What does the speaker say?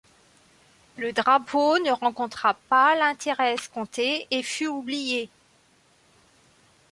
Le drapeau ne rencontra pas l'intérêt escompté et fut oublié.